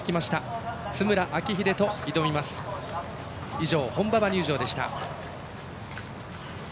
以上、本馬場入場でした。